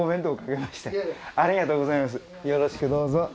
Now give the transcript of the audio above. よろしくどうぞ。